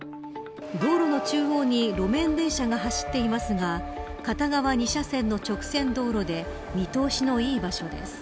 道路の中央に路面電車が走っていますが片側二車線の直線道路で見通しのいい場所です。